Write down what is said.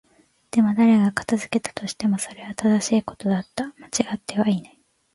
でも、誰が片付けたとしても、それは正しいことだった。間違っていない。